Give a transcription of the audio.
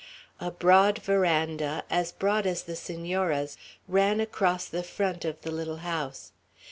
A broad veranda, as broad as the Senora's, ran across the front of the little house.